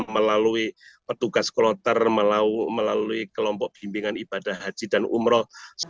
melalui petugas kloter melalui kelompok bimbingan ibadah haji dan umroh